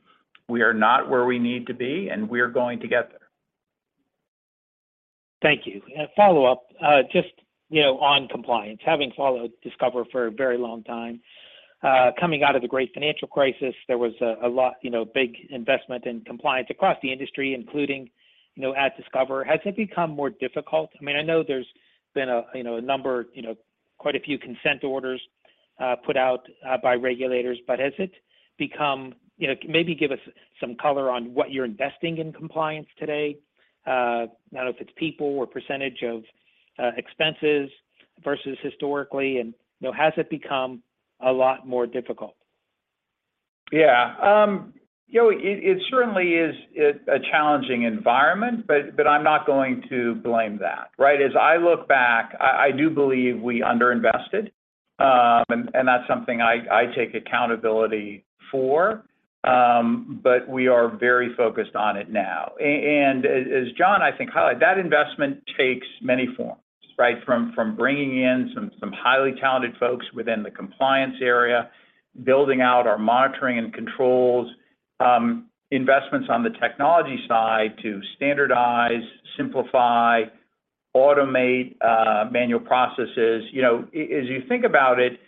We are not where we need to be, and we're going to get there. Thank you. A follow-up, just, you know, on compliance. Having followed Discover for a very long time, coming out of the great financial crisis, there was a lot, you know, big investment in compliance across the industry, including, you know, at Discover. Has it become more difficult? I mean, I know there's been quite a few consent orders put out by regulators, but has it become? You know, maybe give us some color on what you're investing in compliance today. I don't know if it's people or % of expenses versus historically, and, you know, has it become a lot more difficult? Yeah. You know, it certainly is a challenging environment, but I'm not going to blame that, right? As I look back, I do believe we underinvested, and that's something I take accountability for, but we are very focused on it now. As John, I think, highlighted, that investment takes many forms, right? From bringing in some highly talented folks within the compliance area, building out our monitoring and controls, investments on the technology side to standardize, simplify, automate manual processes. You know, as you think about it,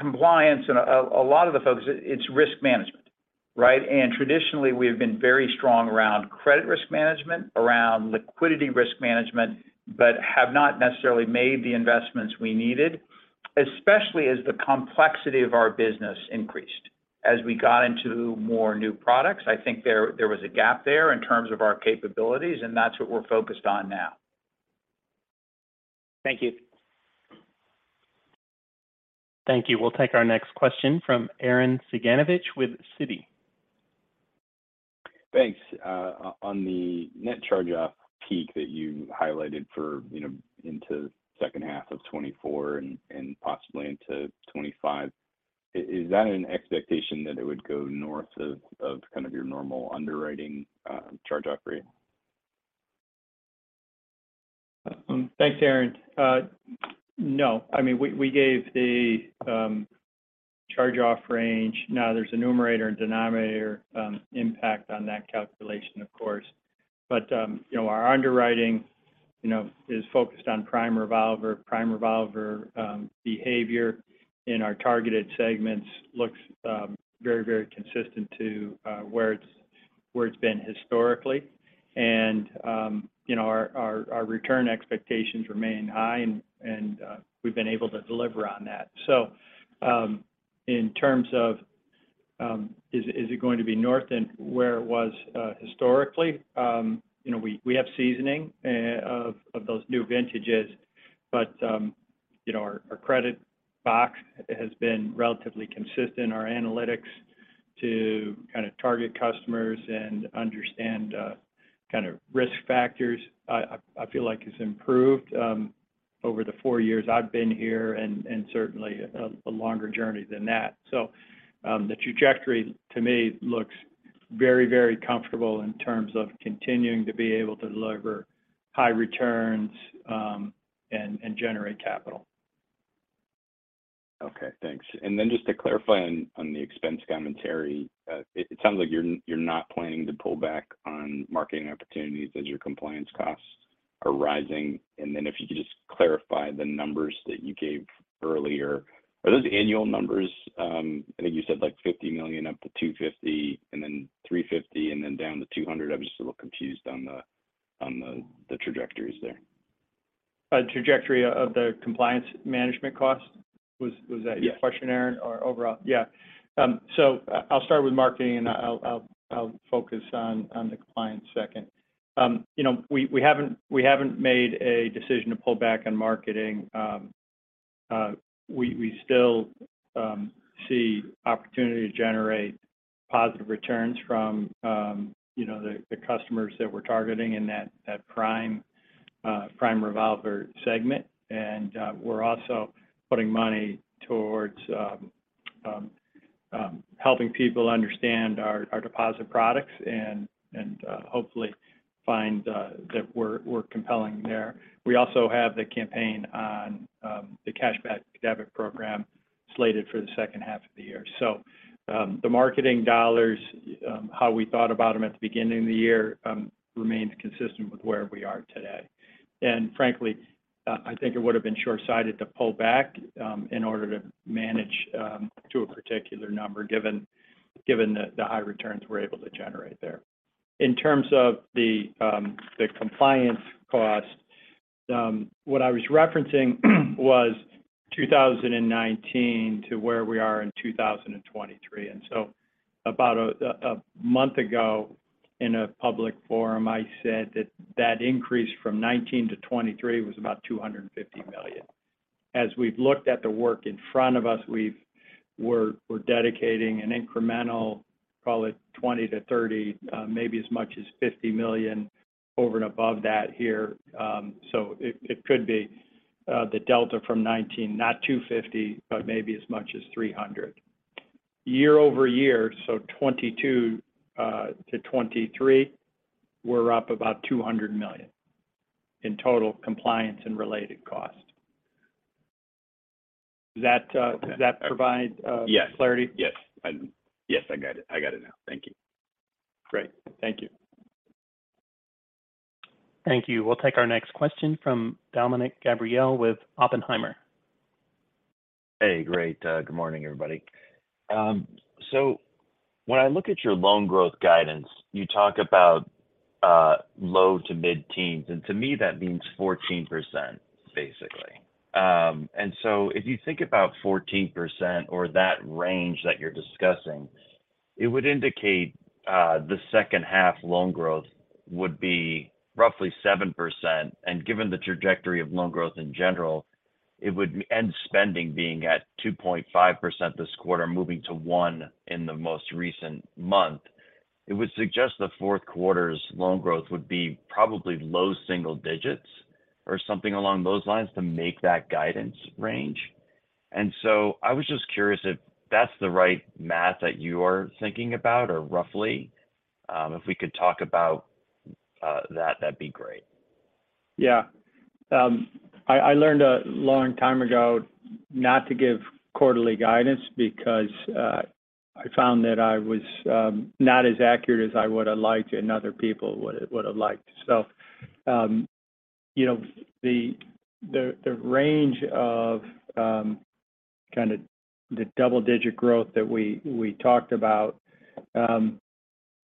compliance and a lot of the folks, it's risk management, right? Traditionally, we've been very strong around credit risk management, around liquidity risk management, but have not necessarily made the investments we needed, especially as the complexity of our business increased. As we got into more new products, I think there was a gap there in terms of our capabilities. That's what we're focused on now. Thank you. Thank you. We'll take our next question from Arren Cyganovich with Citi. Thanks. On the net charge-off peak that you highlighted for, you know, into second half of 2024 and possibly into 2025, is that an expectation that it would go north of kind of your normal underwriting, charge-off rate? Thanks, Arren. No. I mean, we gave the charge-off range. There's a numerator and denominator impact on that calculation, of course. you know, our underwriting, you know, is focused on prime revolver. Prime revolver behavior in our targeted segments looks very, very consistent to where it's been historically. you know, our return expectations remain high, and we've been able to deliver on that. in terms of is it going to be north and where it was historically? you know, we have seasoning of those new vintages, but, you know, our credit box has been relatively consistent. Our analytics to kind of target customers and understand, kind of risk factors, I feel like has improved, over the four years I've been here, and certainly a longer journey than that. The trajectory, to me, looks very, very comfortable in terms of continuing to be able to deliver high returns, and generate capital. Okay, thanks. Just to clarify on the expense commentary, it sounds like you're not planning to pull back on marketing opportunities as your compliance costs are rising. If you could just clarify the numbers that you gave earlier. Are those annual numbers? I think you said, like, $50 million up to 250 million and then $350 million, and then down to 200 million. I'm just a little confused on the trajectories there. Trajectory of the compliance management cost? Yeah Your question, Arren, or overall? Yeah. So I'll start with marketing, and I'll focus on the compliance second. You know, we haven't made a decision to pull back on marketing. We still see opportunity to generate positive returns from, you know, the customers that we're targeting in that prime revolver segment. We're also putting money towards helping people understand our deposit products and hopefully find that we're compelling there. We also have the campaign on the Cashback Debit program slated for the second half of the year. The marketing dollars, how we thought about them at the beginning of the year, remains consistent with where we are today. Frankly, I think it would have been short-sighted to pull back, in order to manage, to a particular number, given the high returns we're able to generate there. In terms of the compliance cost, what I was referencing was 2019 to where we are in 2023. About a month ago, in a public forum, I said that that increase from 2019 to 2023 was about $250 million. As we've looked at the work in front of us, we're dedicating an incremental, call it $20 million-30 million, maybe as much as $50 million over and above that here. It, it could be, the delta from 2019, not $250 million, but maybe as much as $300 million. Year-over-year, 2022 to 2023, we're up about $200 million in total compliance and related costs. Does that? Okay. Does that provide? Yes Clarity? Yes. Yes, I got it. I got it now. Thank you. Great. Thank you. Thank you. We'll take our next question from Dominick Gabriele with Oppenheimer. Hey, great. Good morning, everybody. When I look at your loan growth guidance, you talk about low to mid-teens, and to me, that means 14%, basically. If you think about 14% or that range that you're discussing, it would indicate the second half loan growth would be roughly 7%. Given the trajectory of loan growth in general, it would and spending being at 2.5% this quarter, moving to 1% in the most recent month, it would suggest the fourth quarter's loan growth would be probably low single digits, or something along those lines, to make that guidance range. I was just curious if that's the right math that you are thinking about, or roughly? If we could talk about that'd be great. I learned a long time ago not to give quarterly guidance because I found that I was not as accurate as I would've liked and other people would've liked. You know, the range of kind of the double-digit growth that we talked about,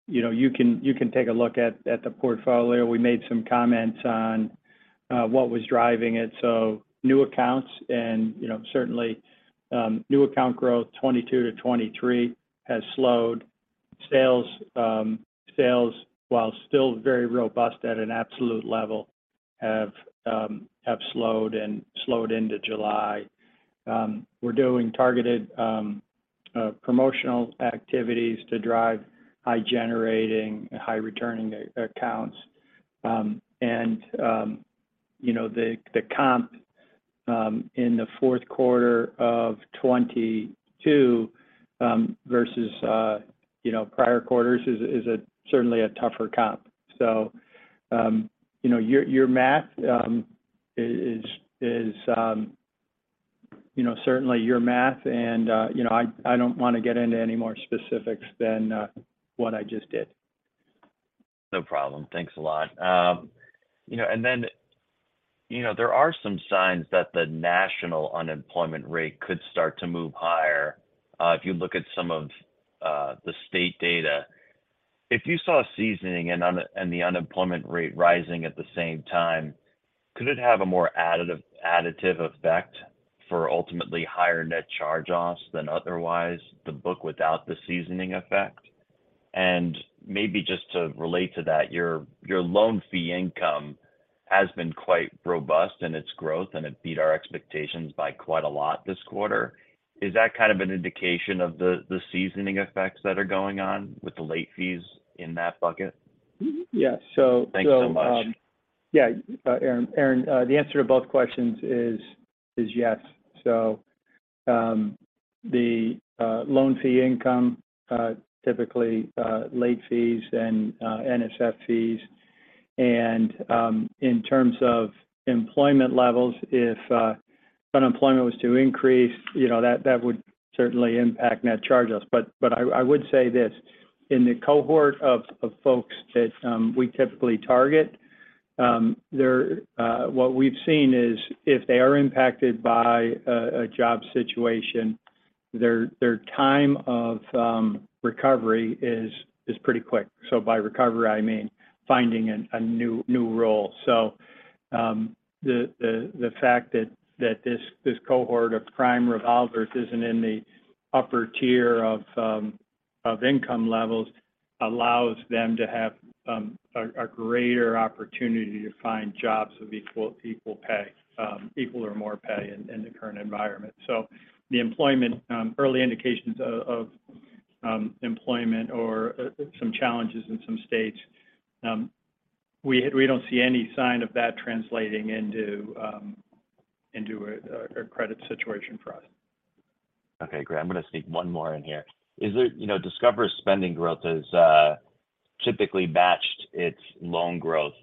you know, you can take a look at the portfolio. We made some comments on what was driving it. New accounts and, you know, certainly, new account growth, 2022 to 2023 has slowed. Sales, while still very robust at an absolute level, have slowed and slowed into July. We're doing targeted promotional activities to drive high-generating, high-returning accounts. You know, the comp, in the fourth quarter of 2022, versus, you know, prior quarters is certainly a tougher comp. You know, your math, is, you know, certainly your math, and, you know, I don't want to get into any more specifics than, what I just did. No problem. Thanks a lot. you know, there are some signs that the national unemployment rate could start to move higher, if you look at some of the state data. If you saw seasoning and the unemployment rate rising at the same time, could it have a more additive effect for ultimately higher net charge-offs than otherwise the book without the seasoning effect? Maybe just to relate to that, your loan fee income has been quite robust in its growth, and it beat our expectations by quite a lot this quarter. Is that kind of an indication of the seasoning effects that are going on with the late fees in that bucket? Yes. Thanks so much. Yeah. Arren, the answer to both questions is yes. The loan fee income typically late fees and NSF fees. In terms of employment levels, if unemployment was to increase, you know, that would certainly impact net charge-offs. I would say this, in the cohort of folks that we typically target, what we've seen is, if they are impacted by a job situation, their time of recovery is pretty quick. By recovery, I mean finding a new role. The fact that this cohort of prime revolvers isn't in the upper tier of income levels allows them to have a greater opportunity to find jobs with equal pay, equal or more pay in the current environment. The employment, early indications of employment or some challenges in some states, we don't see any sign of that translating into a credit situation for us. Okay, great. I'm going to sneak one more in here. you know, Discover's spending growth is... typically matched its loan growth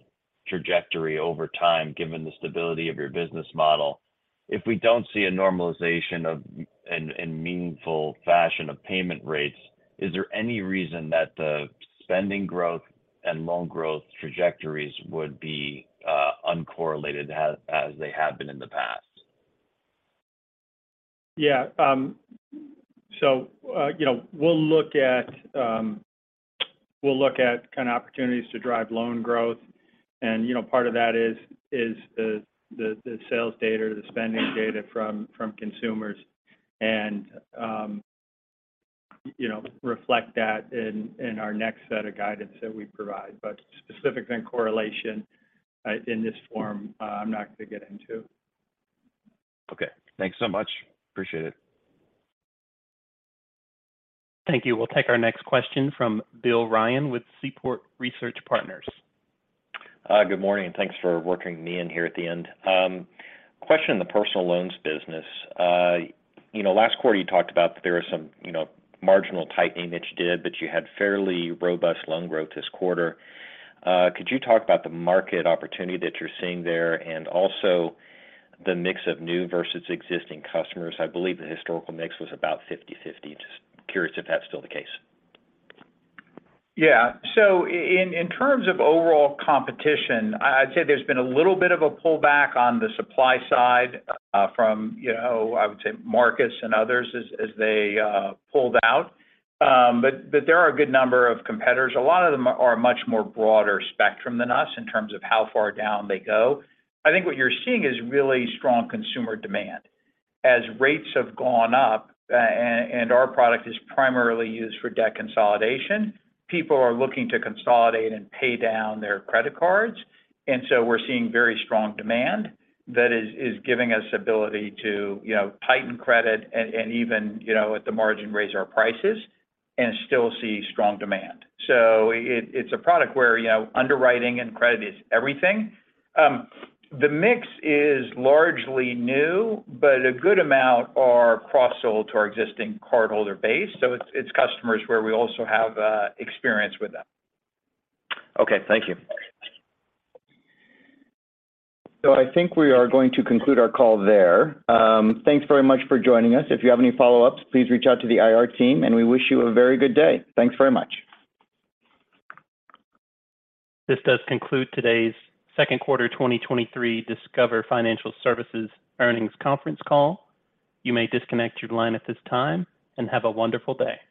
trajectory over time, given the stability of your business model. If we don't see a normalization of, in meaningful fashion of payment rates, is there any reason that the spending growth and loan growth trajectories would be uncorrelated as they have been in the past? Yeah. You know, we'll look at, we'll look at kind of opportunities to drive loan growth. You know, part of that is the sales data or the spending data from consumers. You know, reflect that in our next set of guidance that we provide. Specifics and correlation, in this form, I'm not going to get into. Okay. Thanks so much. Appreciate it. Thank you. We'll take our next question from Bill Ryan with Seaport Research Partners.. Good morning, thanks for working me in here at the end. Question on the personal loans business. You know, last quarter, you talked about that there was some, you know, marginal tightening that you did, you had fairly robust loan growth this quarter. Could you talk about the market opportunity that you're seeing there, also the mix of new versus existing customers? I believe the historical mix was about 50/50. Just curious if that's still the case. Yeah. In terms of overall competition, I'd say there's been a little bit of a pullback on the supply side, from, you know, I would say Marcus and others as they pulled out. There are a good number of competitors. A lot of them are a much more broader spectrum than us in terms of how far down they go. I think what you're seeing is really strong consumer demand. As rates have gone up, and our product is primarily used for debt consolidation, people are looking to consolidate and pay down their credit cards. We're seeing very strong demand that is giving us ability to, you know, tighten credit and even, you know, at the margin, raise our prices and still see strong demand. It's a product where, you know, underwriting and credit is everything. The mix is largely new, but a good amount are cross-sold to our existing cardholder base, so it's customers where we also have experience with them. Okay. Thank you. I think we are going to conclude our call there. Thanks very much for joining us. If you have any follow-ups, please reach out to the IR team. We wish you a very good day. Thanks very much. This does conclude today's Second Quarter 2023 Discover Financial Services earnings conference call. You may disconnect your line at this time, and have a wonderful day.